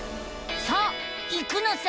さあ行くのさ！